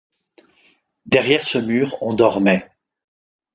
Derrière ce mur, on dormait.